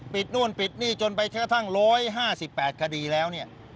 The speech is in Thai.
ปิดนู่นปิดนี่จนไปถึงกระทั่ง๑๕๘คดีแล้ว